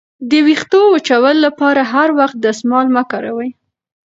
د ویښتو وچولو لپاره هر وخت دستمال مه کاروئ.